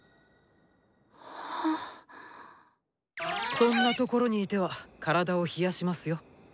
そんなところにいては体を冷やしますよ。